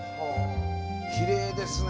きれいですね。